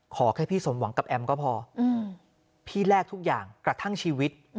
ขอแค่พี่สมหวังกับแอมก็พอพี่แลกทุกอย่างกระทั่งชีวิต